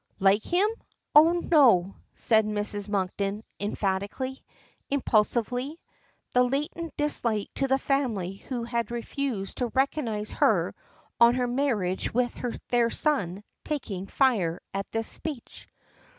"Like him! Oh no," says Mrs. Monkton emphatically, impulsively; the latent dislike to the family who had refused to recognize her on her marriage with their son taking fire at this speech.